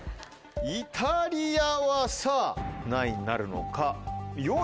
イタリアはさぁ何位になるのか。